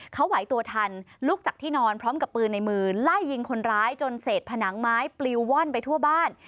เขาไหวตัวทันลุกจากที่นอนพร้อมกับปืนในมือไล่ยิงคนร้ายจนเศษผนังไม้ปลิวว่อนไปทั่วบ้าน